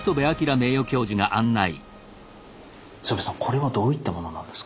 磯部さんこれはどういったものなんですか？